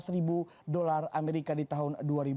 sebelas ribu dolar amerika di tahun dua ribu sebelas